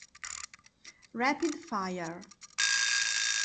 Rapid Fire